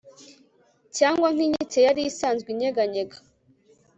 cyangwa nk'inkike yari isanzwe inyeganyega